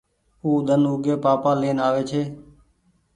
او ۮن اوگي پآپآ لين آوي ڇي۔